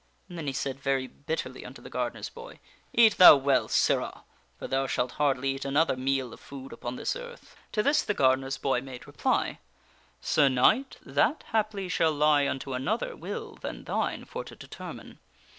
And then he said very bitterly unto the gardener's boy :" Eat thou well, sirrah ! For thou shalt hardly eat another meal of food upon this earth.*' To this the gardener's boy made reply: " Sir Knight, that, haply, shall lie unto another will than thine for to determine.